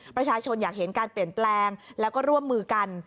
ประชาชนอยากเห็นการเปลี่ยนแปลงแล้วก็ร่วมมือกัน